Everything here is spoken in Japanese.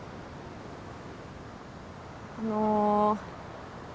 あの。